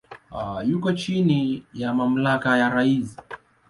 Yuko chini ya mamlaka ya rais.